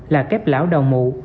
là kép lão đào mụ